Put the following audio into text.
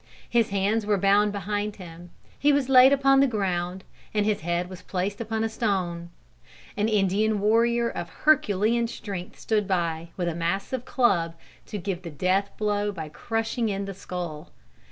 His hands were bound behind him, he was laid upon the ground, and his head was placed upon a stone. An Indian warrior of herculean strength stood by, with a massive club, to give the death blow by crushing in the skull.